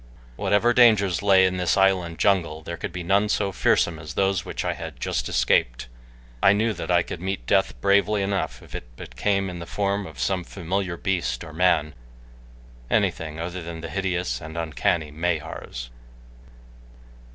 Whatever dangers lay hidden in this island jungle, there could be none so fearsome as those which I had just escaped. I knew that I could meet death bravely enough if it but came in the form of some familiar beast or man anything other than the hideous and uncanny Mahars.